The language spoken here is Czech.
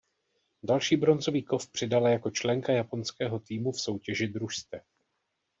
Další bronzový kov přidala jako členka japonského týmu v soutěži družstev.